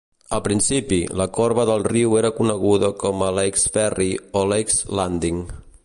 Al principi, la corba del riu era coneguda com a Lake's Ferry o Lake's Landing.